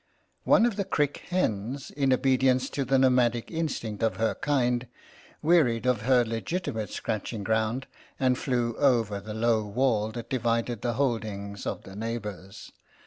One of the Crick hens, in obedience to the nomadic instincts of her kind, wearied of her legitimate scratching grounds, and flew over the low wall that divided the holdings of the neighbours.